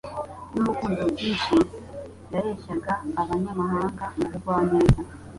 n'urukundo rwinshi yareshyaga abanyamahanga mu bugwaneza,